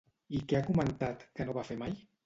I què ha comentat que no va fer mai?